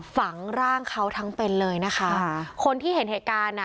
ฝังร่างเขาทั้งเป็นเลยนะคะค่ะคนที่เห็นเหตุการณ์อ่ะ